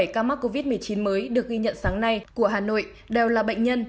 bảy ca mắc covid một mươi chín mới được ghi nhận sáng nay của hà nội đều là bệnh nhân